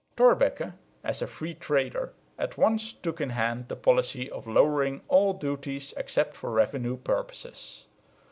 Thorbecke, as a free trader, at once took in hand the policy of lowering all duties except for revenue purposes.